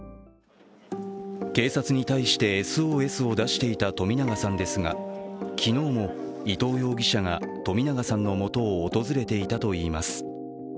警察に対してＳＯＳを出していた冨永さんですが、昨日も伊藤容疑者が冨永さんのもとを訪れていたといいます。